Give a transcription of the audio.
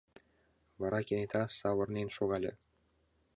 Вара кенета савырнен шогале: